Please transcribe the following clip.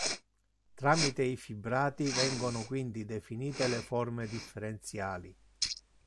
Tramite i fibrati vengono quindi definite le forme differenziali.